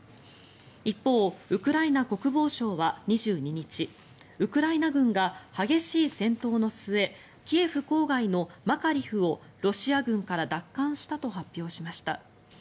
一方、ウクライナ国防省は２２日ウクライナ軍が激しい戦闘の末キエフ郊外のマカリフをロシア軍から奪還したと発表しました。